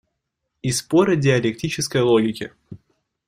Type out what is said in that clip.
И спор о диалектической логике.